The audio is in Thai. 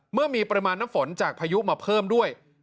เมื่อมีปริมาณน้ำฝนจากพายุมาเพิ่มด้วย